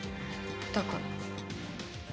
だから。